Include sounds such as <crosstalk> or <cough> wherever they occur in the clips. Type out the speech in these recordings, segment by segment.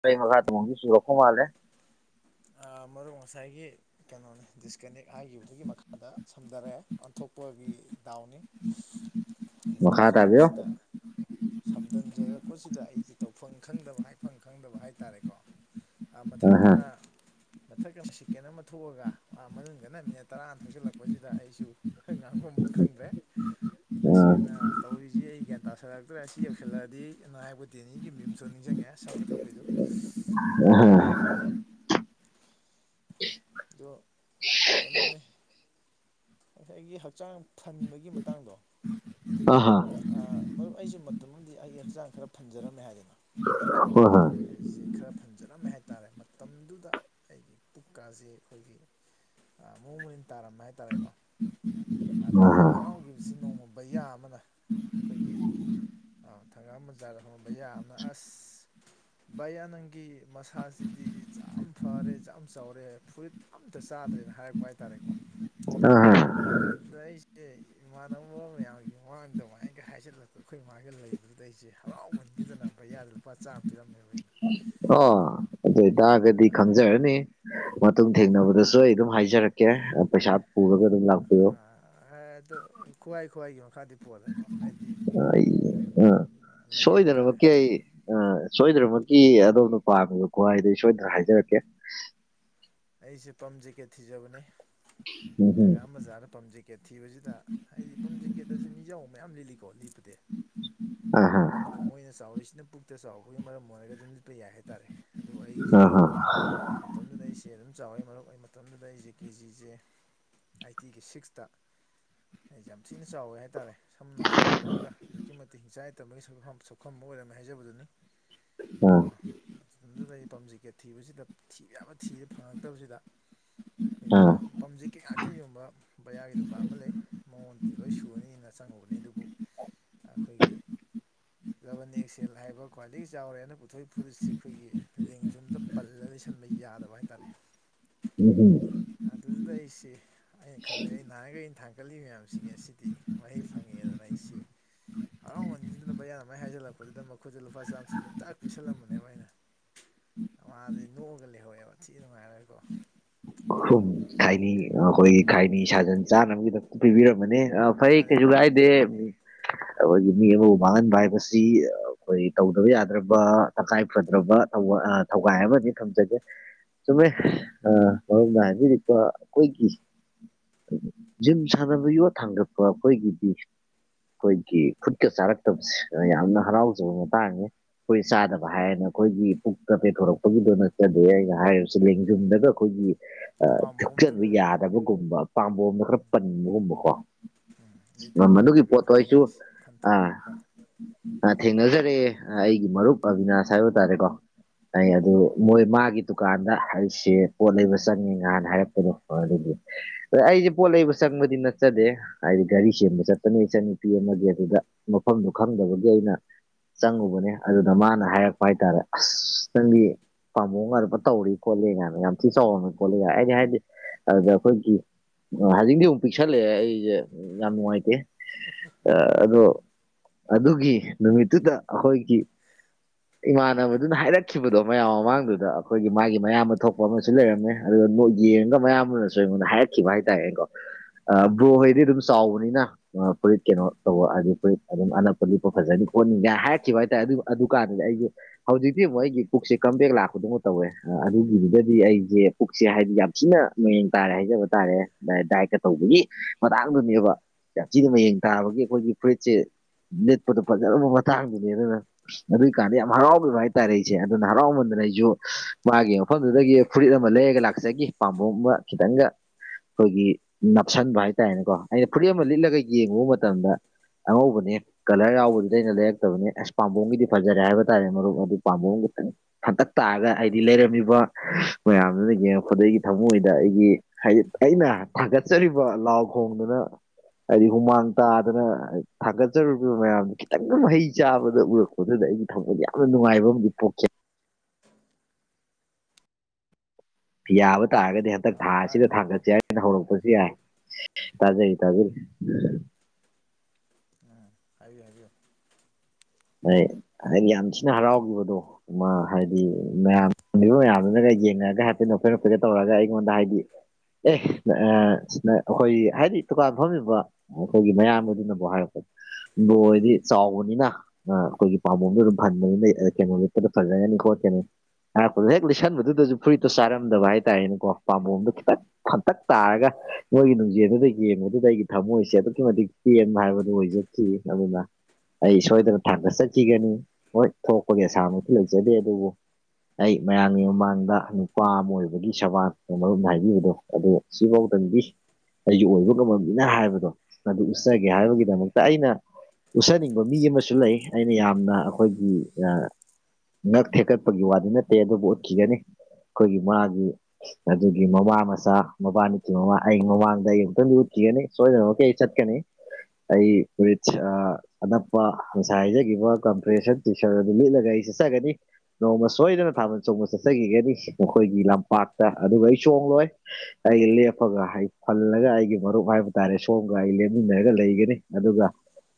ꯀ ꯃꯈꯥꯃꯍꯣꯡꯒ ꯁꯤꯛꯨꯝ ꯃꯥꯂꯦ ꯃꯔꯨꯞ ꯉꯁꯥꯏꯒꯤ ꯀꯩꯅꯣꯅꯤ ꯗꯤꯁꯀꯅꯦꯛ ꯍꯥꯏꯈꯤꯕꯒꯤ ꯃꯈꯥꯗ ꯁꯝꯊꯔꯛꯑꯦ ꯑꯣꯟꯊꯣꯛꯄꯒꯤ ꯗꯥꯎꯅꯤ ꯑꯩꯅ ꯃꯈꯥ ꯇꯥꯕꯤꯌꯨ ꯇꯧꯖꯔꯤꯕꯁꯤꯗ ꯁꯝꯊꯟꯖꯔꯛꯄꯁꯤꯗ ꯑꯩꯁꯦ ꯇꯧꯐꯝ ꯈꯪꯗꯕ ꯍꯥꯏꯐꯝ ꯈꯪꯗꯕ ꯍꯥꯏꯇꯥꯔꯦꯀꯣ ꯑꯍ ꯃꯊꯛꯇꯅ ꯃꯊꯛꯀꯤ ꯁꯦꯀꯦꯟ ꯑꯃ ꯊꯣꯛꯑꯒ ꯃꯅꯨꯡꯗꯅ ꯃꯤꯅꯠ ꯇꯔꯥ ꯊꯣꯛꯆꯜꯂꯛꯄꯁꯤꯗ ꯑꯩꯁꯨ ꯉꯥꯡꯉꯣ ꯑꯃ ꯈꯪꯗ꯭ꯔꯦ ꯇꯁꯦꯡꯅ ꯇꯧꯔꯤꯁꯤ ꯑꯩ ꯒ꯭ꯌꯥꯟ ꯇꯥꯂꯛꯇ꯭ꯔꯦ ꯑꯁꯤ ꯌꯧꯁꯤꯜꯂꯛꯑꯗꯤ ꯅ ꯍꯥꯏꯄꯨ ꯗꯦꯅꯤꯒꯤ ꯃꯤꯝꯁꯨ ꯅꯤꯡꯁꯤꯡꯉꯦ ꯁꯪꯒꯠ ꯊꯛꯄꯩꯗꯨ ꯍ ꯌ ꯀꯩꯅꯣꯅꯦ ꯉꯁꯥꯏꯒꯤ ꯍꯛꯆꯥꯡ ꯐꯟꯕꯒꯤ ꯃꯇꯥꯡꯗꯣ ꯑꯍ ꯃꯔꯨꯞ ꯑꯩꯁꯦ ꯃꯇꯝꯗꯤ ꯑꯩ ꯍꯛꯆꯥꯡ ꯈꯔ ꯐꯟꯖꯔꯝꯃꯦ ꯍꯥꯏꯗꯅ ꯍꯣꯏ ꯍꯣꯏ ꯑꯩꯁꯦ ꯈꯔ ꯐꯟꯖꯔꯝꯃꯦ ꯍꯥꯏꯇꯥꯔꯦ ꯃꯇꯝꯗꯨꯗ ꯑꯩꯒꯤ ꯄꯨꯛꯀꯥꯁꯦ ꯑꯩꯈꯣꯏꯒꯤ ꯃꯑꯣꯡ ꯃꯔꯤꯟ ꯇꯥꯔꯝꯕ ꯍꯥꯏꯇꯥꯔꯦꯀꯣ ꯑꯗ ꯑꯩꯅ ꯌꯥꯝ ꯑꯍ ꯍꯔꯥꯎꯈꯤꯕꯁꯤ ꯅꯣꯡꯃ ꯕꯌꯥ ꯑꯃꯅ ꯑꯩꯈꯣꯏꯒꯤ ꯑ ꯊꯪꯒꯥ ꯃꯨꯖꯥꯗ ꯍꯣꯡꯝꯕ ꯌꯥꯅ ꯑꯁ ꯚꯌꯥ ꯅꯪꯒꯤ ꯃꯁꯥꯁꯤꯗꯤ ꯌꯥꯝ ꯐꯔꯦ ꯌꯥꯝ ꯆꯥꯎꯔꯦ ꯐꯨꯔꯤꯠ ꯑꯝꯇ ꯆꯥꯗ꯭ꯔꯦꯅ ꯍꯥꯏꯔꯛꯄ ꯍꯥꯏꯇꯥꯔꯦꯀꯣ ꯑꯍ ꯑꯗꯨꯗ ꯑꯩꯁꯦ ꯏꯃꯥꯟꯅꯕ ꯃꯌꯥꯝꯒꯤ ꯃꯃꯥꯡꯗꯃꯥꯏꯅꯒ ꯍꯥꯏꯖꯜꯂꯛꯄ ꯑꯩꯈꯣꯏ ꯏꯃꯥꯡꯒ ꯂꯩꯕ ꯑꯗꯨꯗ ꯑꯩꯁꯦ ꯍꯔꯥꯎꯍꯟꯕꯤꯗꯅ ꯄꯌꯥꯗ ꯂꯨꯄꯥ ꯆꯥꯝꯃ ꯄꯤꯔꯝꯃꯦꯕ ꯑꯩꯅ ꯑꯣ ꯑꯗꯨꯏꯇꯥꯒꯗꯤ ꯑꯗ ꯈꯪꯖꯔꯅꯤ ꯃꯇꯨꯡ ꯊꯦꯡꯅꯕꯗꯁꯨ ꯑꯩ ꯑꯗꯨꯝ ꯍꯥꯏꯖꯔꯛꯀꯦ ꯄꯩꯁꯥ ꯄꯨꯔꯒ ꯑꯗꯨꯝ ꯑ ꯂꯥꯛꯄꯤꯌꯨ ꯑꯗ ꯈ꯭ꯋꯥꯏ ꯈ꯭ꯋꯥꯏꯒꯤ ꯃꯈꯥꯗꯤ ꯄꯣꯜꯂꯦꯀꯣ ꯍꯥꯏꯗꯤ ꯑꯩ ꯑ ꯂꯩ ꯁꯣꯏꯗꯅꯕ ꯍꯥꯏꯇꯥꯔꯦ ꯀꯦ ꯑꯩ ꯑ ꯁꯣꯏꯗꯅꯃꯛꯀꯤ ꯑꯗꯣꯝꯅ ꯄꯥꯝꯃꯤꯕ ꯈ꯭ꯋꯥꯏꯗꯩ ꯁꯣꯏꯗꯅ ꯍꯥꯏꯖꯔꯛꯀꯦ ꯑꯩꯁꯦ ꯄꯝ ꯖꯦꯀꯦꯠ ꯊꯤꯖꯕꯅꯦ ꯎꯝꯍꯨꯝ ꯊꯪꯒꯥꯝ ꯕꯖꯥꯔꯗ ꯄꯝ ꯖꯦꯀꯦꯠ ꯊꯤꯕꯁꯤꯗ ꯍꯥꯏꯗꯤ ꯄꯝ ꯖꯦꯀꯦꯠ ꯑꯁꯤ ꯃꯤꯖꯎꯕ ꯃꯌꯥꯝ ꯂꯤꯠꯂꯤꯀꯣ ꯂꯤꯞꯄꯗ ꯑꯍ ꯑꯗꯨꯕꯨ ꯃꯣꯏꯅ ꯆꯥꯎꯔꯤꯁꯤꯅ ꯄꯨꯛꯇ ꯆꯥꯎꯕꯒꯤ ꯃꯔꯝ ꯑꯣꯏꯔꯒ ꯑꯗꯨꯝ ꯂꯤꯠꯄ ꯌꯥꯏ ꯍꯥꯏꯇꯥꯔꯦ ꯑꯗꯨ ꯑꯩꯒꯤꯁꯤꯗꯤ ꯑꯍ ꯃꯇꯝꯗꯨꯗ ꯑꯩ ꯆꯦ ꯑꯗꯨꯝ ꯆꯥꯎꯋꯦ ꯃꯔꯨ ꯑꯣꯏ ꯃꯇꯝꯗꯨꯗ ꯑꯩꯁꯦ ꯀꯦꯖꯤꯁꯦ ꯑꯥꯏꯠꯇꯤꯒꯤ ꯁꯤꯛꯁꯇ ꯑꯩꯁ ꯌꯥꯝ ꯊꯤꯅ ꯆꯥꯎꯋꯦ ꯍꯥꯏꯇꯥꯔꯦ ꯁꯝꯅ ꯍꯥꯏꯔꯒ ꯄꯨꯜꯂꯒ ꯑꯗꯨꯛꯀꯤ ꯃꯇꯤꯛ ꯍꯤꯡꯆꯥꯏꯇꯝꯕꯒꯤ ꯁꯛꯐꯝꯕ ꯑꯣꯏꯔꯝꯃꯦ ꯍꯥꯏꯖꯕꯗꯨꯅꯤ ꯑ ꯃꯇꯝꯗꯨꯗ ꯑꯩ ꯄꯥꯝꯖꯒꯦ ꯊꯤꯕꯁꯤꯗ ꯊꯤꯕ ꯌꯥ ꯐꯪꯉꯛꯇꯕꯁꯤꯗ ꯑ ꯑꯩꯈꯣꯏꯒꯤ ꯌꯥꯝ ꯄꯥꯝꯖꯩꯀꯩ ꯉꯥꯛꯇ ꯌꯣꯟꯕ ꯕꯌꯥꯔꯒꯤ ꯗꯨꯀꯥꯟ ꯑꯃ ꯂꯩ ꯃꯉꯣꯟꯗꯗꯤ ꯂꯣꯏ ꯁꯨꯨꯔꯅꯤꯅ ꯆꯪꯉꯨꯕꯅꯤ ꯑꯗꯨꯕꯨ ꯑꯩꯈꯣꯏꯒꯤ ꯔꯕꯟ ꯑꯦꯛꯁꯦꯜ ꯍꯥꯏꯕ ꯈ꯭ꯋꯥꯏꯗꯒꯤ ꯆꯥꯎꯔꯦꯅ ꯄꯨꯊꯣꯛꯏ ꯐꯨꯔꯤꯠꯁꯤ ꯑꯩꯈꯣꯏꯒꯤ ꯂꯦꯡꯖꯨꯝꯗ ꯄꯜꯂ ꯂꯩꯁꯟꯕ ꯌꯥꯗꯕ ꯍꯥꯏꯇꯥꯔꯦ ꯎꯝ ꯍꯨꯝ ꯑꯗꯨꯗꯨꯗ ꯑꯩꯁꯤꯦ ꯑꯩꯅ ꯈꯜꯂꯦ ꯑꯩꯅ ꯅꯍꯥꯟꯈꯩ ꯑꯩꯅ ꯊꯥꯡꯒꯠꯂꯤꯕ ꯃꯌꯥꯝꯁꯤꯒꯤ ꯑꯁꯤꯗꯤ ꯃꯍꯩ ꯐꯪꯉꯦꯗꯅ ꯑꯩꯁꯤꯦ ꯍꯔꯥꯎꯍꯟꯅꯤꯗꯨꯅ ꯃꯌꯥꯅ ꯃꯥꯏ ꯍꯥꯏꯖꯜꯂꯛꯄꯗꯨꯗ ꯃꯈꯣꯏꯗ ꯂꯨꯄꯥ ꯆꯥꯝꯃ ꯆ ꯄꯦꯟꯇꯥꯛ ꯄꯤꯤꯁꯜꯂꯝꯕꯅꯦꯕ ꯑꯩꯅ ꯃꯁ ꯅꯣꯛꯑꯒ ꯂꯩꯍꯧꯑꯦꯕ ꯊꯤ ꯅꯨꯡꯉꯥꯏꯔꯣꯏꯀꯣ ꯑꯗꯨꯅ ꯑꯍꯨꯝ ꯈꯥꯏꯅꯤ ꯑꯩꯈꯣꯏꯒꯤ ꯈꯥꯏꯅꯤ ꯁꯥꯖꯟ ꯆꯥꯅꯕꯒꯤꯗ ꯄꯤꯕꯤꯔꯝꯃꯅꯦ ꯐꯩ ꯃꯥꯅꯦ ꯀꯩꯁꯨ ꯃꯥꯅꯦ ꯀꯥꯏꯗꯦ <inaudible> ꯑꯩꯈꯣꯏꯒꯤ ꯃꯤ ꯑꯃꯕꯨ ꯃꯥꯡꯍꯟꯕ ꯍꯥꯏꯕꯁꯤ ꯑꯩꯈꯣꯏ ꯇꯧꯗꯕ ꯌꯥꯗ꯭ꯔꯕ ꯇꯉꯥꯏ ꯐꯗ꯭ꯔꯕ ꯊꯧꯒꯥꯏ ꯑꯃꯗꯤ ꯊꯝꯖꯒꯦ ꯆꯨꯝꯃꯦ ꯑꯩꯈꯣꯏꯒꯤ ꯖꯤꯝ ꯁꯥꯟꯅꯕ ꯌꯣꯠ ꯊꯥꯡꯒꯠꯄ ꯑꯩꯈꯣꯏꯒꯤꯗꯤ ꯑꯩꯈꯣꯏꯒꯤ ꯈꯨꯨꯠꯀ ꯆꯥꯔꯛꯇꯕꯁꯤ ꯌꯥꯝꯅ ꯍꯔꯥꯎꯖꯕ ꯃꯇꯥꯡꯅꯤ ꯑꯩꯈꯣꯏ ꯆꯥꯗꯕ ꯍꯥꯏꯔꯅ ꯑꯩꯈꯣꯏꯒꯤ ꯄꯨꯛꯇ ꯄꯩꯊꯣꯔꯛꯄꯒꯤꯗꯣ ꯅꯠꯆꯗꯦ ꯑꯩꯅ ꯍꯥꯏꯔꯤꯕꯁꯤ ꯂꯦꯡꯖꯨꯝꯗꯒ ꯑꯩꯈꯣꯏꯒꯤ ꯊꯨꯞꯆꯕ ꯄꯥꯝꯕꯣꯝꯗꯒ ꯌꯥꯗꯕꯒꯨꯝꯕ ꯄꯥꯝꯕꯣꯝꯗ ꯈꯔ ꯄꯟꯕꯒꯨꯝꯕꯀꯣ ꯎꯝ ꯑꯗꯩ ꯃꯅꯨꯡꯗꯨꯒꯤ ꯊꯕꯥꯛꯇꯒ ꯄꯣꯠꯇꯣ ꯑꯩꯈꯣꯏꯒꯤ ꯑꯩꯁꯨ ꯑꯥ ꯐꯟꯊꯣꯔꯛꯄ ꯊꯦꯡꯅꯖꯔꯦ ꯑꯩꯒꯤ ꯃꯔꯨꯞ ꯑꯕꯤꯅꯥꯁ ꯍꯥꯏꯕ ꯇꯥꯔꯦꯀꯣ ꯑꯩ ꯑꯗꯨ ꯃꯣꯏ ꯃꯥꯒꯤ ꯗꯨꯀꯥꯟꯗ ꯍꯥꯏꯁꯦ ꯄꯣꯠ ꯂꯩꯕ ꯆꯪꯉꯦ ꯉꯥꯅ ꯍꯥꯏꯔꯛꯄ ꯑꯗꯨꯗꯤ ꯑ ꯑꯩꯁꯦ ꯄꯣꯠ ꯂꯩꯕ ꯆꯪꯕꯗꯤ ꯅꯠꯆꯗꯦ ꯍꯥꯏꯗꯤ ꯒꯥꯔꯤ ꯁꯦꯝꯕ ꯆꯠꯄꯅꯦ ꯏꯆꯟꯅꯨꯄꯤ ꯑꯃꯒꯤ ꯑꯗꯨꯗ ꯃꯐꯝꯗꯨ ꯈꯪꯗꯕꯒꯤ ꯑꯩꯅ ꯆꯪꯉꯨꯕꯅꯦ ꯑꯗꯨꯅ ꯃꯥꯅ ꯍꯥꯏꯔꯛꯄ ꯍꯥꯏꯇꯥꯔꯦ ꯑꯁꯇꯪꯒꯤ ꯄꯥꯃꯣ ꯉꯔꯨꯞ ꯇꯧꯔꯤ ꯈꯣꯠꯂꯦ ꯀꯥꯏꯅ ꯌꯥꯝ ꯊꯤ ꯆꯥꯎꯔꯝꯃꯦ ꯈꯣꯠꯂꯦꯒ ꯑꯩꯗꯤ ꯍꯥꯏꯗꯤ ꯑꯗꯨꯗ ꯑꯩꯈꯣꯏꯒꯤ ꯍꯧꯖꯤꯛꯗꯤ ꯑꯃꯨꯛ ꯄꯤꯛꯁꯜꯂꯛꯑꯦ ꯑꯩꯁꯦ ꯌꯥꯝ ꯅꯨꯡꯉꯥꯏꯇꯦ ꯑꯗꯣ ꯑꯗꯨꯒꯤ ꯅꯨꯃꯤꯠꯇꯨꯗ ꯑꯩꯈꯣꯏꯒꯤ ꯏꯃꯥꯟꯅꯕꯗꯨꯅ ꯍꯥꯏꯔꯛꯈꯤꯕꯗꯣ ꯃꯌꯥꯝ ꯃꯃꯥꯡꯗꯨꯗ ꯑꯩꯈꯣꯏꯒꯤ ꯃꯥꯒꯤ ꯃꯌꯥꯝꯕ ꯊꯣꯛꯄ ꯑꯃꯁꯨ ꯂꯩꯔꯝꯃꯦ ꯑꯗꯨꯒ ꯌꯦꯡꯉꯒ ꯃꯌꯥꯝꯅꯁꯨ ꯑꯩꯉꯣꯟꯗ ꯍꯥꯏꯔꯛꯈꯤꯕ ꯍꯥꯏꯇꯥꯔꯦ ꯑꯩꯀꯣ ꯕ꯭ꯔꯣꯍꯣꯏꯗꯤ ꯑꯗꯨꯝ ꯆꯥꯎꯕꯅꯤꯅ ꯐꯨꯔꯤꯠ ꯀꯩꯅꯣ ꯇꯧꯕ ꯑꯗꯨ ꯐꯨꯔꯤꯠ ꯑꯗꯨꯝ ꯑꯅꯛꯄ ꯂꯤꯞꯄ ꯐꯖꯅꯤ ꯈꯣꯠꯅꯤꯡꯉꯥꯏ ꯍꯥꯏꯔꯛꯈꯤꯕ ꯍꯥꯏꯇꯥꯔꯦ ꯑꯗꯨ ꯑꯗꯨ ꯀꯥꯟꯗꯗꯤ ꯑꯩꯒꯤ ꯍꯧꯖꯤꯛꯇꯤ ꯑꯃꯨꯛ ꯑꯩꯒꯤ ꯄꯨꯛꯁꯦ ꯀꯝꯕꯦꯛ ꯂꯥꯛꯄꯗꯧ ꯇꯧꯋꯦ ꯑꯗꯨꯒꯤꯗꯨꯗꯗꯤ ꯑꯩꯁꯦ ꯄꯨꯛꯁꯦ ꯍꯥꯏꯗꯤ ꯌꯥꯝ ꯊꯤꯅ ꯃꯌꯦꯡ ꯇꯥꯔꯦ ꯍꯥꯏꯖꯕ ꯇꯥꯔꯦ ꯗꯥꯏꯀ ꯇꯧꯕꯒꯤ ꯃꯇꯥꯡꯗꯨꯅꯦꯕ ꯌꯥꯝꯊꯤꯅ ꯃꯌꯦꯡ ꯇꯥꯕꯒꯤ ꯑꯩꯈꯣꯏꯒꯤ ꯐ꯭ꯔꯤꯠꯁꯦ ꯂꯤꯠꯄꯗꯣ ꯐꯖꯔꯕ ꯃꯇꯥꯡꯗꯨꯅꯦ ꯑꯗꯨꯅ ꯑꯗꯨꯏꯀꯥꯟꯗꯤ ꯌꯥꯝ ꯍꯔꯥꯎꯕꯤꯕ ꯍꯥꯏꯇꯥꯔꯦ ꯑꯩꯁꯦ ꯑꯗꯨꯅ ꯍꯔꯥꯎꯃꯟꯗꯅ ꯑꯩꯁꯨ ꯃꯥꯒꯤ ꯃꯐꯝꯗꯨꯗꯒꯤ ꯐꯨꯔꯤꯠ ꯑꯃ ꯂꯩꯔꯒ ꯂꯥꯛꯆꯈꯤ ꯄꯥꯝꯕꯨꯡ ꯑꯃ ꯈꯤꯇꯪꯒ ꯑꯩꯈꯣꯏꯒꯤ ꯅꯞꯁꯤꯟꯕ ꯍꯥꯏꯇꯥꯔꯦꯅꯦꯀꯣ ꯑꯩꯅ ꯐꯨꯔꯤꯠ ꯑꯃ ꯂꯤꯠꯂꯒ ꯌꯦꯡꯉꯨꯕ ꯃꯇꯝꯗ ꯑꯉꯧꯕꯅꯦ ꯀꯂꯔ ꯌꯥꯎꯕꯗꯨꯗ ꯑꯩꯅ ꯂꯩꯔꯛꯇꯕꯅꯦ ꯑꯁ ꯄꯥꯝꯕꯣꯒꯤꯗꯤ ꯐꯖꯔꯦ ꯍꯥꯏꯕ ꯇꯥꯔꯦ ꯃꯔꯨꯞ ꯑꯗꯨ ꯄꯥꯝꯕꯣꯝꯒꯤ ꯐꯅ ꯍꯟꯇꯛ ꯇꯥꯔꯒ ꯍꯥꯏꯗꯤ ꯂꯩꯔꯝꯃꯤꯕ ꯃꯌꯥꯝꯗꯨꯅ ꯌꯦꯡꯉꯛꯄꯗꯒꯤ ꯊꯃꯣꯏꯗ ꯑꯩꯒꯤ ꯍꯥꯏꯗꯤ ꯑꯩꯅ ꯊꯥꯒꯠꯆꯔꯤꯕ ꯂꯥꯎ ꯈꯣꯡꯗꯨꯅ ꯍꯥꯏꯗꯤ ꯍꯨꯃꯥꯡ ꯇꯥꯗꯅ ꯊꯥꯒꯠꯆꯔꯨꯔꯤꯕ ꯃꯌꯥꯝꯗꯨ ꯈꯤꯇꯪꯒ ꯃꯍꯩ ꯆꯥꯕꯗ ꯎꯔꯛꯄ ꯑꯗꯨꯗ ꯑꯩꯒꯤ ꯊꯝꯃꯣꯏꯗ ꯌꯥꯝꯅ ꯅꯨꯡꯉꯥꯏꯕ ꯑꯃꯗꯤ ꯄꯣꯛꯈꯤ ꯌꯥꯕ ꯇꯥꯔꯒꯗꯤ ꯍꯟꯗꯛ ꯊꯥ ꯑꯥ ꯑꯁꯤꯗ ꯇꯥꯔꯤꯕ꯭ꯔꯥ ꯃꯔꯨꯞ ꯊꯥꯡꯒꯠꯆ ꯑꯩꯅ ꯍꯧꯔꯛꯄꯁꯨ ꯌꯥꯏ ꯇꯥꯖꯩ ꯇꯥꯖꯔꯤ ꯎꯝ ꯍꯥꯏꯕꯤꯌꯨ ꯍꯥꯏꯕꯤꯌꯨ ꯍꯥꯏꯗꯤ ꯌꯥꯝ ꯊꯤꯅ ꯍꯔꯥꯎꯈꯤꯕꯗꯣ ꯍꯥꯏꯗꯤ ꯃꯌꯥꯝꯕ ꯃꯌꯥꯝꯗꯨꯅꯒ ꯌꯦꯡꯉꯒ ꯍꯥꯏꯐꯦꯠ ꯅꯣꯐꯦ ꯅꯣꯐꯩꯒ ꯇꯧꯔꯒ ꯑꯩꯉꯣꯟꯗ ꯍꯥꯏꯗꯤ ꯑꯦ ꯑꯩꯈꯣꯏ ꯍꯥꯏꯗꯤ ꯗꯨꯀꯥꯟ ꯐꯝꯃꯤꯕ ꯑꯩꯈꯣꯏꯒꯤ ꯃꯌꯥꯝꯕꯗꯨꯅꯕꯨ ꯍꯥꯏꯔꯛꯄ ꯕ꯭ꯔꯣ ꯍꯣꯏꯗꯤ ꯆꯥꯎꯕꯅꯤꯅ ꯑꯩꯈꯣꯏꯒꯤ ꯄꯥꯝꯕꯣꯝꯗꯣ ꯑꯗꯨꯝ ꯍꯟꯕꯅꯤꯅ ꯀꯩꯅꯣ ꯂꯤꯞꯄꯗ ꯐꯖꯒꯅꯤ ꯈꯣꯠ ꯀꯩꯅꯣ ꯍꯥꯏꯔꯛꯄꯗ ꯍꯦꯛ ꯂꯩꯁꯟꯕꯗꯨꯗꯁꯨ ꯐꯨꯔꯤꯠꯇꯣ ꯆꯥꯔꯝꯗꯕ ꯍꯥꯏꯇꯥꯔꯦꯅꯦꯀꯣ ꯄꯥꯝꯕꯣꯝꯗꯣ ꯈꯤꯇꯪ ꯐꯟꯇꯛ ꯇꯥꯔꯒ ꯅꯣꯏꯒꯤ ꯅꯨꯡꯖꯦꯜꯗꯨꯗ ꯌꯦꯡꯕꯨꯗꯨꯗ ꯑꯩꯒꯤ ꯊꯝꯃꯣꯏꯁꯦ ꯑꯗꯨꯛꯀꯤ ꯃꯇꯤꯛ ꯄꯦꯝ ꯍꯥꯏꯕꯗꯨ ꯑꯣꯏꯖꯈꯤ ꯑꯗꯨꯅ ꯑꯩ ꯁꯣꯏꯗꯅ ꯍꯥꯟꯗ ꯆꯠꯈꯤꯒꯅꯤ ꯍꯣꯏ ꯊꯣꯛꯄꯒꯤ ꯑꯁꯥꯃꯁꯨꯤ ꯂꯩꯖꯗꯦ ꯑꯗꯨꯕꯨ ꯑꯩ ꯃꯌꯥꯝꯒꯤ ꯃꯃꯥꯡꯗ ꯅꯨꯄꯥ ꯑꯃ ꯑꯣꯏꯕꯒꯤ ꯁꯦꯕꯥ ꯃꯔꯣꯝ ꯍꯥꯏꯕꯤꯕꯗꯣ ꯑꯗꯣ ꯁꯤꯐꯥꯎꯗꯪꯗꯤ ꯑꯩꯁꯨ ꯑꯣꯏꯕ ꯉꯝꯃꯅꯤꯅ ꯍꯥꯏꯕꯗꯣ ꯑꯗꯨ ꯎꯠꯆꯒꯦ ꯃꯥꯅꯦ ꯃꯥꯅꯦ ꯍꯥꯏꯕꯒꯤꯗꯃꯛꯇ ꯑꯩꯅ ꯎꯠꯆꯅꯤꯡꯕ ꯃꯤ ꯑꯃꯁꯨ ꯂꯩ ꯑꯩꯅ ꯌꯥꯝꯅ ꯑꯩꯈꯣꯏꯒꯤ ꯉꯛ ꯊꯦꯛꯀꯠꯄꯒꯤ ꯋꯥꯗꯤ ꯅꯠꯇꯦ ꯑꯗꯨꯕꯨ ꯎꯠꯈꯤꯒꯅꯤ ꯑꯩꯈꯣꯏꯒꯤ ꯃꯥꯒꯤ ꯑꯗꯨꯒꯤ ꯃꯃꯥ ꯃꯆꯥ ꯃꯄꯥ ꯅꯨꯨꯄꯤ ꯃꯃꯥ ꯑꯩ ꯃꯃꯥꯡꯗ ꯑꯩ ꯑꯃꯨꯛꯇꯪꯗꯤ ꯎꯠꯈꯤꯒꯅꯤ ꯁꯣꯏꯗꯅ ꯑꯣꯀꯦ ꯑꯩ ꯆꯠꯀꯅꯤ ꯑꯩ ꯑꯅꯄ ꯍꯥꯏꯖꯒꯤꯈꯤꯕ ꯀꯝꯄꯤꯇꯟ ꯇꯤꯆꯔ ꯑꯗꯨ ꯂꯤꯠꯂꯒ ꯑꯩ ꯆꯠꯆꯒꯅꯤ ꯅꯣꯡꯃ ꯁꯣꯏꯗꯅ ꯊꯥꯕꯜ ꯆꯣꯡꯕ ꯆꯠꯆꯈꯤꯒꯅꯤ ꯑꯩꯈꯣꯏꯒꯤ ꯂꯝꯄꯥꯛꯇ ꯑꯗꯨꯒ ꯑꯩ ꯆꯣꯡꯂꯣꯏ ꯑꯩꯒꯤ ꯂꯦꯞꯄꯒ ꯑꯩ ꯐꯜꯂꯒ ꯑꯩꯒꯤ ꯃꯔꯨꯞ ꯍꯥꯏꯕ ꯇꯥꯔꯦ ꯁꯣꯝꯒ ꯑꯩ ꯂꯦꯞꯃꯤꯟꯅꯔꯒ ꯂꯩꯒꯅꯤ ꯑꯗꯨꯒ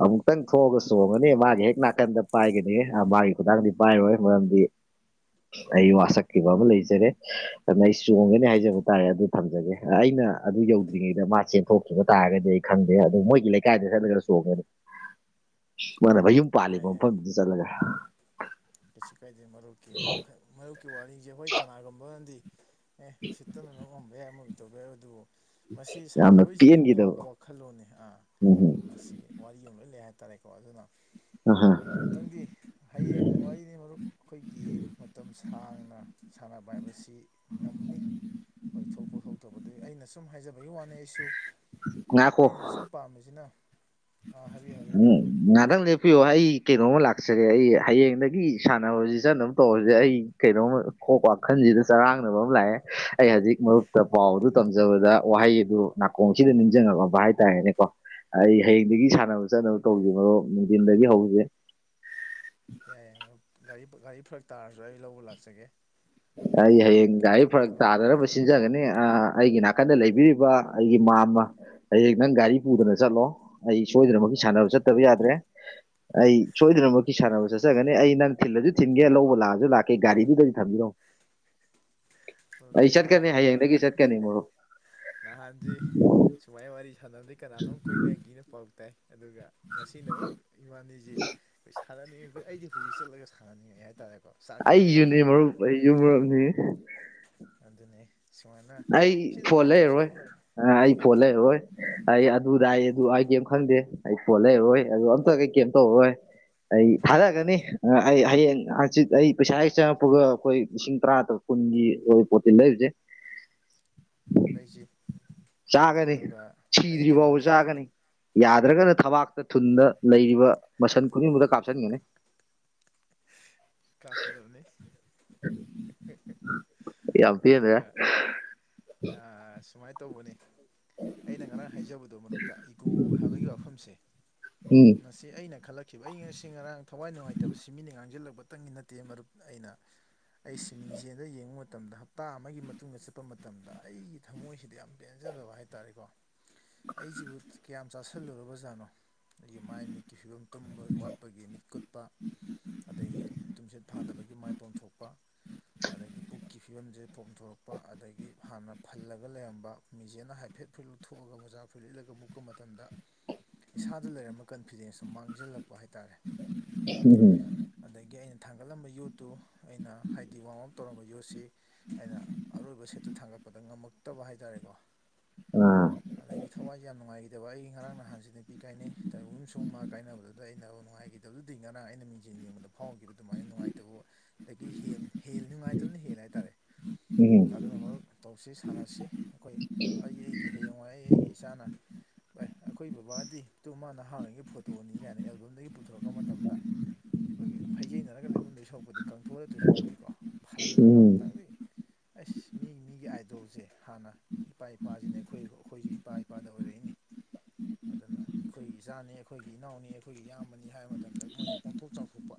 ꯑꯃꯨꯛꯇꯪ ꯐꯣꯒꯁꯨ <unintelligible> ꯃꯥꯒꯤ ꯍꯦꯛ ꯅꯥꯀꯟꯗ ꯄꯥꯏꯒꯅꯤ ꯃꯥꯒꯤ ꯈꯨꯗꯥꯡꯗꯤ ꯄꯥꯏꯔꯣꯏ ꯃꯔꯝꯗꯤ <inaudible> ꯑꯩ ꯋꯥꯁꯛꯈꯤꯕ ꯑꯃ ꯂꯩꯖꯔꯦ ꯑꯗꯨꯅ ꯑꯩ ꯆꯣꯡꯒꯅꯤ ꯍꯥꯏꯖꯕ ꯇꯥꯔꯦ ꯑꯗꯨ ꯊꯝꯖꯒꯦ ꯑꯩꯅ ꯑꯗꯨ ꯌꯧꯗ꯭ꯔꯤꯉꯩꯗ ꯃꯥ ꯆꯦꯟꯊꯣꯛꯈꯤꯕ ꯇꯥꯔꯒꯗꯤ ꯑꯩ ꯈꯪꯗꯦ ꯑꯗꯨ ꯃꯣꯏꯒꯤ ꯂꯩꯀꯥꯏꯗ ꯆꯠꯂꯒ ꯆꯣꯡꯉꯅꯤ ꯃꯥꯅ ꯃꯌꯨꯝ ꯄꯥꯜꯂꯤꯕ ꯌꯥꯏ ꯌꯥꯏ ꯃꯐꯝꯗꯨꯗ ꯆꯠꯂꯒ ꯀꯩꯁꯨ ꯀꯥꯏꯗꯦ ꯃꯔꯨꯞꯀꯤ ꯋꯥꯈꯜ ꯃꯔꯨꯞꯀꯤ ꯋꯥꯔꯤꯁꯦ ꯍꯣꯏ ꯀꯅꯥꯒꯨꯝꯕꯅꯗꯤ ꯑꯦ ꯎꯁꯤꯠꯇꯅ ꯅꯣꯡꯑꯝꯕ ꯌꯥꯏ ꯑꯃ ꯇꯧꯕ ꯌꯥꯏ ꯑꯗꯨꯕꯨ ꯃꯁꯤ ꯌꯥꯝꯅ ꯁꯥꯟꯅꯔꯣꯏꯁꯤꯡꯅ ꯐꯥꯎꯕ ꯄꯦꯟꯈꯤꯗꯕ ꯋꯥꯈꯜꯂꯣꯟꯅꯤ ꯑꯥ ꯎꯝ ꯍꯨꯝ ꯃꯁꯤ ꯋꯥꯔꯤ ꯑꯃ ꯂꯣꯏ ꯂꯩ ꯍꯥꯏꯇꯥꯔꯦꯀꯣ ꯑꯗꯨꯅ ꯑ ꯍ ꯑꯝꯇꯪꯗꯤ ꯍꯌꯦꯡ ꯋꯥꯔꯤꯅꯤ ꯃꯔꯨꯞ ꯑꯩꯈꯣꯏꯒꯤ ꯃꯇꯝ ꯁꯥꯡꯅ ꯁꯥꯟꯅꯕ ꯍꯥꯏꯕꯁꯤ ꯉꯝꯅꯤ ꯍꯣꯏ ꯊꯣꯛꯄ ꯊꯣꯛꯇꯄꯗ ꯑꯩꯅ ꯁꯨꯝ ꯍꯥꯏꯖꯕꯒꯤ ꯋꯥꯅꯤ ꯑꯩꯁꯨ ꯑ ꯉꯥꯏꯈꯣ ꯑꯩꯅ ꯁꯨꯝ ꯄꯥꯝꯃꯤꯁꯤꯅ ꯑ ꯍꯥꯏꯕꯤꯌꯨ ꯍꯥꯏꯕꯤꯌꯨ ꯀꯩꯅꯣ ꯉꯍꯥꯛꯇꯪ ꯂꯦꯞꯄꯤꯌꯣ ꯑꯩ ꯀꯩꯅꯣꯃ ꯂꯥꯛꯆꯒꯦ ꯑꯩ ꯍꯌꯦꯡꯗꯒꯤ ꯁꯥꯟꯅꯕ ꯁꯤ ꯆꯠꯅꯕ ꯇꯧꯔꯁꯦ ꯑꯩ ꯀꯩꯅꯣꯝꯃ ꯋꯥꯈꯜꯁꯤꯗ ꯆꯔꯥꯡꯅꯕ ꯑꯃ ꯂꯥꯛꯑꯦ ꯑꯩ ꯍꯧꯖꯤꯛ ꯃꯔꯨꯞꯇ ꯄꯥꯎꯗꯨ ꯇꯝꯖꯕꯗ ꯋꯥꯍꯩ ꯑꯗꯨ ꯅꯥꯀꯣꯡꯁꯤꯗ ꯅꯤꯡꯁꯤꯡꯉꯕ ꯍꯥꯏꯇꯥꯔꯦꯅꯦꯀꯣ ꯑꯩ ꯍꯌꯦꯡꯗꯒꯤ ꯁꯥꯟꯅꯕ ꯆꯠꯅꯕ ꯇꯧꯁꯦ ꯃꯔꯨꯞ ꯅꯨꯡꯊꯤꯟꯗꯒꯤ ꯍꯧꯁꯦ ꯌꯥꯏ ꯌꯥꯏ ꯃꯔꯨꯞ ꯒꯥꯔꯤ ꯒꯥꯔꯤ ꯐꯔꯛ ꯇꯥꯔꯁꯨ ꯑꯩ ꯂꯧꯕ ꯂꯥꯛꯆꯒꯦ ꯑꯩ ꯍꯥꯏꯗꯤ ꯍꯌꯦꯡ ꯀꯔꯤꯝ ꯒꯥꯔꯤ ꯐꯔꯛ ꯈꯟꯒꯅꯣ ꯇꯥꯗꯅꯕ ꯁꯤꯟꯖꯒꯅꯤ ꯑꯩꯒꯤ ꯅꯥꯀꯟꯗ ꯂꯩꯕꯤꯔꯤꯕ ꯑꯩꯒꯤ ꯃꯥꯝꯃ ꯑꯩ ꯅꯪ ꯒꯥꯔꯤ ꯄꯨꯗꯅ ꯆꯠꯂꯣ ꯑꯩ ꯁꯣꯏꯗꯅꯃꯛꯀꯤ ꯁꯥꯟꯅꯕ ꯆꯠꯇꯕ ꯌꯥꯗ꯭ꯔꯦ ꯑꯩ ꯁꯣꯏꯗꯅꯃꯛꯀꯤ ꯁꯥꯟꯅꯕ ꯆꯠꯆꯒꯅꯤ ꯑꯩ ꯅꯪ ꯊꯤꯜꯂꯁꯨ ꯊꯤꯟꯟꯒꯦ ꯂꯧꯕ ꯂꯥꯛꯑꯁꯨ ꯂꯥꯛꯀꯦ ꯒꯥꯔꯤꯗꯨꯗꯗꯤ ꯊꯝꯕꯤꯔꯝꯃꯣ ꯑꯣ ꯑꯩ ꯀꯩꯅꯣꯅꯦ ꯆꯠꯀꯅꯤ ꯑ ꯍꯌꯦꯡꯗꯒꯤ ꯆꯠꯀꯅꯤ ꯃꯔꯨꯞ ꯅꯍꯥꯟꯁꯦ ꯁꯨꯃꯥꯏꯅ ꯋꯥꯔꯤ ꯁꯥꯟꯅꯕꯗꯩ ꯀꯅꯥꯅꯣꯝ ꯀꯣꯏꯅꯒꯦꯅ ꯄꯥꯎ ꯇꯥꯏ ꯑꯗꯨ ꯑꯗꯨꯒ ꯉꯁꯤꯅ ꯑꯃꯨꯛ ꯏꯕꯥꯅꯤꯁꯤ ꯑꯩꯈꯣꯏ ꯁꯥꯟꯅꯅꯤꯡꯉꯤ ꯑꯩꯈꯣꯏ ꯑꯩꯗꯤ ꯍꯧꯖꯤꯛ ꯆꯠꯂꯒ ꯁꯥꯟꯅꯅꯤꯡꯉꯦ ꯍꯥꯏꯇꯥꯔꯦ ꯑꯩꯁꯨꯅꯦ ꯃꯔꯨꯞ ꯑꯩꯁꯨ ꯃꯔꯨꯞꯅꯤ ꯑꯗꯨꯅꯤ ꯁꯨꯃꯥꯏꯅ ꯁꯤ ꯅꯨꯡꯉꯥꯏꯇ꯭ꯔꯣꯁꯦ ꯂꯩꯔꯔꯣꯏ ꯑ ꯑꯩ ꯐꯣꯟ <unintelligible> ꯑꯩ ꯑꯗꯨꯗ ꯑꯩ ꯑꯗꯨ ꯑꯩ ꯀꯩꯝ ꯈꯪꯗꯦ ꯑꯩ ꯐꯣꯟ ꯂꯩꯔꯔꯣꯏ ꯑꯗꯨ ꯑꯝꯇ ꯀꯩ ꯀꯦꯝ ꯇꯧꯔꯔꯣꯏ ꯑꯩ ꯊꯥꯗꯒꯅꯤ ꯑꯩ ꯍꯌꯦꯡ ꯍꯪꯆꯤꯠ ꯑꯩ ꯄꯩꯁꯥ ꯍꯦꯛ ꯆꯪꯉꯛꯄꯒ ꯑꯩꯈꯣꯏ ꯂꯤꯁꯤꯡ ꯇꯔꯥ ꯇꯔꯨꯛ ꯀꯨꯟꯒꯤ ꯑꯣꯏꯕ ꯄꯣꯠꯇꯤ ꯂꯩꯔꯨꯁꯦ ꯂꯩꯁꯤ ꯆꯥꯒꯅꯤ ꯑꯗꯨꯒ ꯑꯩ ꯁꯤꯗ꯭ꯔꯤꯐꯥꯎꯕ ꯀꯩꯅꯣꯅꯦ ꯆꯥꯒꯅꯤ ꯌꯥꯗ꯭ꯔꯒꯅ ꯊꯕꯥꯛꯇ ꯊꯨꯟꯗ ꯂꯩꯔꯤꯕ ꯃꯁꯟ ꯈꯨꯗꯤꯡꯃꯛꯇ ꯀꯥꯞꯁꯤꯟꯒꯅꯤ ꯀꯥꯞꯀꯗꯕꯅꯤ ꯌꯥꯝ ꯄꯦꯟꯗ꯭ꯔꯦ ꯑꯗꯨꯒ ꯑ ꯁꯨꯃꯥꯏꯅ ꯇꯧꯕꯅꯦ ꯑꯩꯅ ꯉꯔꯥꯡ ꯍꯥꯏꯖꯕꯗꯨ ꯃꯔꯨꯞꯇ ꯏꯒꯨ ꯍꯥꯏꯕꯒꯤ ꯋꯥꯐꯝꯁꯦ ꯎꯝ ꯉ ꯑꯩꯅ ꯈꯜꯂꯛꯈꯤꯕ ꯑꯩ ꯉꯁꯤ ꯉꯔꯥꯡ ꯊꯋꯥꯏ ꯅꯨꯡꯉꯥꯏꯇꯕꯁꯤ ꯃꯤꯅ ꯉꯥꯡꯁꯤꯜꯂꯛꯄꯇꯪꯒꯤ ꯅꯠꯇꯦ ꯃꯔꯨꯞ ꯑꯩꯅ ꯑꯩ ꯁ꯭ꯤꯃꯤꯡꯖꯦꯜꯗ ꯌꯦꯡꯕ ꯃꯇꯝꯗ ꯍꯞꯇꯥ ꯑꯃꯒꯤ ꯃꯇꯨꯡꯗ ꯆꯠꯄ ꯃꯇꯝ ꯃꯇꯝꯗ ꯑꯩꯒꯤ ꯊꯝꯃꯣꯏꯁꯤꯗ ꯌꯥꯝ ꯄꯦꯟꯖꯗꯕ ꯍꯥꯏꯇꯥꯥꯔꯦꯀꯣ ꯑꯩꯁꯤꯕꯨ ꯀꯌꯥꯝ ꯆꯥꯁꯟ ꯁꯜꯂꯨꯔꯕꯖꯥꯠꯅꯣ ꯑꯗꯒꯤ ꯃꯥꯏ ꯃꯤꯠꯀꯤ ꯐꯤꯕꯝ ꯇꯨꯝꯕ ꯋꯥꯠꯄꯒꯤ ꯃꯤꯠ ꯀꯨꯠꯄ ꯑꯗꯒꯤ ꯇꯨꯝꯁꯤꯠ ꯐꯥꯗꯕꯒꯤ ꯃꯥꯏ ꯄꯣꯝꯊꯣꯛꯄ ꯑꯗꯒꯤ ꯄꯨꯛꯀꯤ ꯐꯤꯕꯝꯁꯦ ꯄꯣꯝꯊꯣꯔꯛꯄ ꯑꯗꯒꯤ ꯍꯥꯟꯅ ꯐꯜꯂꯒ ꯂꯩꯔꯝꯕ ꯃꯤꯖꯦꯜꯅ ꯍꯥꯏꯐꯦꯠ ꯐꯨꯔꯤꯠ ꯂꯧꯊꯣꯛꯑꯒ ꯃꯖꯥ ꯐꯨꯔꯤꯠ ꯂꯤꯠꯂꯒ ꯃꯨꯛꯄ ꯃꯇꯝꯗ ꯏꯁꯥꯗ ꯂꯩꯔꯝꯕ ꯀꯟꯐꯤꯗꯦꯟꯁꯇꯣ ꯃꯥꯡꯁꯤꯜꯂꯛꯄ ꯍꯥꯏꯇꯥꯥꯔꯦ <unintelligible> ꯑꯗꯒꯤ ꯑꯩꯅ ꯊꯥꯡꯒꯠꯂꯝꯕ ꯌꯣꯠꯇꯨ ꯑꯩꯅ ꯍꯥꯏꯗꯤ ꯋꯥꯔꯝ ꯑꯞ ꯇꯧꯔꯝꯕ ꯌꯣꯠꯁꯤ ꯑꯩꯅ ꯑꯔꯣꯏꯕ ꯁꯦꯠꯇꯣ ꯊꯥꯡꯒꯠꯄꯗ ꯉꯝꯃꯛꯇꯕ ꯍꯥꯏ ꯇꯥꯔꯦꯀꯣ ꯎꯝ ꯑꯗꯒꯤ ꯊꯋꯥꯏꯁꯦ ꯌꯥꯝ ꯅꯨꯡꯉꯥꯏꯈꯤꯗꯕ ꯑꯩ ꯉꯔꯥꯡ ꯅꯍꯥꯟꯁꯤ ꯅꯨꯄꯤ ꯀꯥꯏꯅꯩ ꯇꯣꯏꯒꯨꯝꯕꯁꯨꯡ ꯃꯥ ꯀꯥꯏꯅꯕꯗꯨꯗ ꯑꯩꯅ ꯑꯗꯨ ꯅꯨꯡꯉꯥꯏꯈꯤ ꯑꯗꯨ ꯑꯗꯨꯗꯤ ꯉꯔꯥꯡ ꯑꯩꯅ ꯃꯤꯡꯁꯟ ꯌꯦꯡꯕꯗ ꯐꯥꯎꯈꯤꯕ ꯑꯗꯨꯃꯥꯏꯅ ꯅꯨꯡꯉꯥꯏꯇꯕ ꯑꯗꯒꯤ ꯍꯦꯟ ꯍꯦꯜ ꯅꯨꯡꯉꯥꯏꯇꯕꯅ ꯍꯦꯜ ꯍꯥꯏꯇꯥꯔꯦ ꯎꯝ ꯗꯨꯅꯃꯨꯛ ꯇꯧꯁꯤ ꯁꯥꯟꯅꯁꯤ ꯑꯩꯈꯣꯏ ꯑꯩ ꯑꯩꯒꯤ ꯍꯌꯦꯡꯋꯥꯏ ꯑꯩ ꯑꯩꯒꯤ ꯏꯆꯥꯅ ꯚꯥꯏ ꯑꯩꯈꯣꯏ ꯕꯕꯥꯗꯤ ꯑꯗꯨ ꯃꯥ ꯅꯍꯥ ꯑꯣꯏꯔꯤꯉꯩ ꯐꯣꯇꯣꯅꯤ ꯀꯥꯏꯅ ꯑꯦꯜꯕꯝꯗꯒꯤ ꯄꯨꯊꯣꯔꯛꯄ ꯃꯇꯝꯗ ꯑꯩꯈꯣꯏꯒꯤ ꯐꯩꯖꯩꯅꯔꯒ ꯂꯩꯕꯨꯡꯗꯣꯏ ꯁꯣꯛꯄꯗꯤ ꯀꯥꯡꯊꯣꯛꯑꯗꯣꯏ ꯁꯣꯛꯄꯗꯤꯀꯣ ꯐꯜꯂꯒ ꯎꯝ ꯑꯝꯇꯪꯗꯤ ꯑꯁ ꯃꯤ ꯃꯤ ꯒꯤ ꯑꯥꯏꯗꯣꯜꯁꯦ ꯍꯥꯟꯅ ꯏꯄꯥ ꯏꯄꯥꯁꯤꯅ ꯑꯩꯈꯣꯏ ꯑꯩꯈꯣꯏꯁꯦ ꯏꯄꯥ ꯏꯄꯥꯗ ꯑꯣꯏꯔꯛꯏꯅꯤ ꯑꯗꯨꯅ ꯑꯩꯈꯣꯏꯒꯤ ꯏꯆꯥꯅꯤ ꯑꯩꯈꯣꯏꯒꯤ ꯏꯅꯥꯎꯅꯤ ꯑꯩꯈꯣꯏꯒꯤ ꯏꯌꯥꯝꯕꯅꯤ ꯍꯥꯏꯕ ꯃꯇꯝꯗ ꯃꯣꯏꯅ ꯄꯣꯝꯊꯣꯛ ꯆꯥꯎꯊꯣꯛꯄ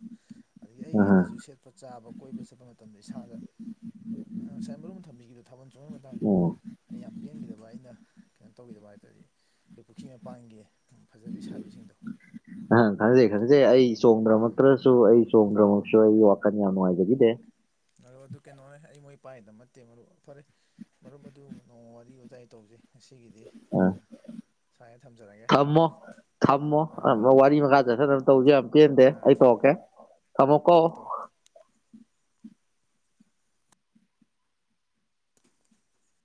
ꯑꯗꯒꯤ ꯑꯩ ꯑꯥ ꯑꯩꯅꯁꯨ ꯁꯦꯠꯄ ꯆꯥꯕ ꯀꯣꯏꯕ ꯆꯠꯄ ꯃꯇꯝꯗ ꯏꯁꯥꯗ ꯁꯦꯝꯕꯜ ꯑꯃ ꯊꯝꯕꯤꯈꯤꯕꯗꯣ ꯊꯥꯕꯜ ꯆꯣꯡꯕꯩ ꯃꯇꯥꯡꯗꯣ ꯑꯣ ꯑꯩ ꯌꯥꯝ ꯄꯦꯟꯈꯤꯗꯕ ꯑꯩꯅ ꯀꯩꯅꯣ ꯇꯧꯈꯤꯗꯕ ꯍꯥꯏ ꯇꯔꯗꯤ ꯄꯨꯈ꯭ꯔꯤ ꯃꯄꯥꯟꯒꯤ ꯐꯖꯕꯤ ꯁꯥꯕꯤꯁꯤꯡꯗꯣ ꯅꯪ ꯈꯪꯖꯩ ꯃꯗꯨ ꯈꯪꯖꯩ ꯑꯩ ꯑꯥ ꯆꯣꯡꯗ꯭ꯔꯃꯛꯇ꯭ꯔꯁꯨ ꯑꯩ ꯆꯣꯡꯗ꯭ꯔꯃꯁꯨ ꯑꯩꯒꯤ ꯋꯥꯈꯜ ꯌꯥꯝ ꯅꯨꯡꯉꯥꯏꯖꯈꯤꯗꯦ ꯃꯔꯨꯞ ꯑꯗꯨ ꯀꯩꯅꯣꯅꯦ ꯑꯩ ꯃꯣꯏ ꯄꯥꯏꯗꯕ ꯅꯠꯇꯦ ꯃꯔꯨ ꯐꯔꯦ ꯃꯔꯨꯞ ꯑꯗꯨ ꯅꯣꯡꯃ ꯋꯥꯔꯤ ꯋꯥꯇꯥꯏ ꯇꯧꯖꯩ ꯉꯁꯤꯒꯤꯗꯤ ꯑꯥ ꯁꯨꯃꯥꯏꯅ ꯊꯝꯖꯔꯒꯦ ꯊꯝꯃꯣ ꯊꯝꯃꯣ ꯑꯥ ꯑꯃ ꯃꯔꯨꯞ ꯋꯥꯔꯤ ꯃꯈꯥ ꯆꯠꯊꯅꯕ ꯇꯧꯁꯦ ꯌꯥꯝ ꯄꯦꯟꯗꯦ ꯑꯥ ꯑꯩ ꯇꯧꯔꯛꯀꯦ <unintelligible> ꯀꯣ ꯇꯧꯔꯣ ꯇꯧꯔꯣ